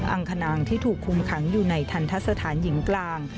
องขนังที่ถูกคุมขังอยู่ในทันทะสถานหญิงกลาง